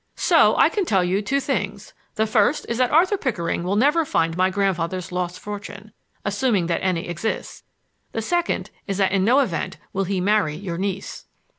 "So I can tell you two things. The first is that Arthur Pickering will never find my grandfather's lost fortune, assuming that any exists. The second is that in no event will he marry your niece."